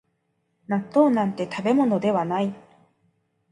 納豆なんて食べ物ではない